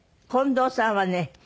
近藤さんはね